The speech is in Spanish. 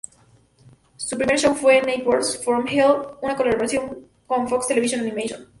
Su primer show fue Neighbors from Hell, una colaboración con Fox Television Animation.